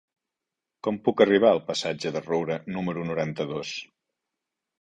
Com puc arribar al passatge de Roura número noranta-dos?